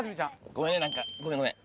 ごめん何かごめんごめん。